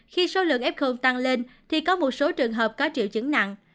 khi số lượng ép không tăng lên thì có một số trường hợp có triệu chứng nặng